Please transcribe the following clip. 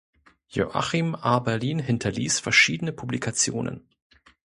Joachim Aberlin hinterließ verschiedene Publikationen.